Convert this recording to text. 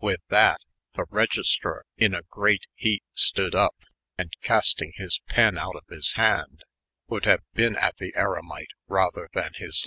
with that, the register in a greit heit staid* vp, & casting his pen out of his hand, vald have heine at the eremit rather than his lyf.